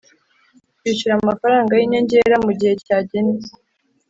kwishyura amafaranga y inyongera mu gihe cyagenwe